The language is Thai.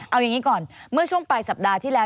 เอาอย่างนี้ก่อนเมื่อช่วงปลายสัปดาห์ที่แล้ว